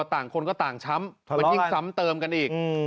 ต่างคนก็ต่างช้ำมันยิ่งซ้ำเติมกันอีก